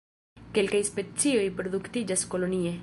Kelkaj specioj reproduktiĝas kolonie.